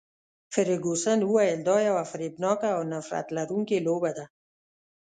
فرګوسن وویل، دا یوه فریبناکه او نفرت لرونکې لوبه ده.